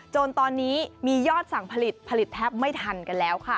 จนตอนนี้มียอดสั่งผลิตผลิตแทบไม่ทันกันแล้วค่ะ